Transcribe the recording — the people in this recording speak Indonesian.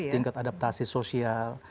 tingkat adaptasi sosial